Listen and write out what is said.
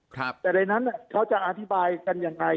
แต่ในนั้นเนี่ยเขาจะอธิบายกันอย่างไร